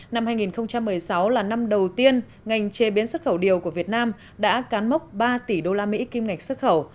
năm hai nghìn một mươi sáu là năm đầu tiên ngành chế biến xuất khẩu điều của việt nam đã cán mốc ba tỷ usd kim ngạch xuất khẩu